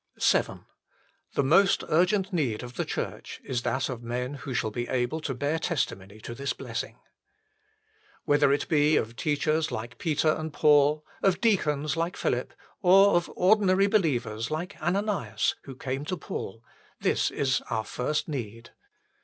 VII The most urgent need of the Church is that of men who shall be able to bear testimony to this blessing. Whether it be of teachers like Peter and Paul, of deacons like Philip, or of ordinary believers like Ananias who came to Paul, this is our first need.